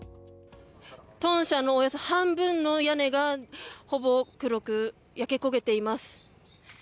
豚舎のおよそ半分の屋根がほぼ、黒く焼け焦げています。